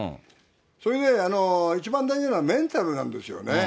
それで一番大事なのはメンタルなんですよね。